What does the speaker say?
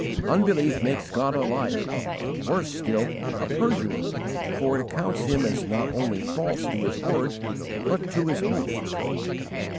Unbelief makes God a liar and, worse still, a perjurer, for it accounts Him as not only false to His word, but to His oath.